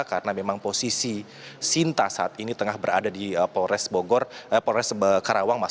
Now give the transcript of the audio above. karena memang posisi sinta saat ini tengah berada di polres karawang